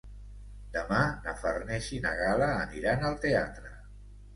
Demà na Farners i na Gal·la aniran al teatre.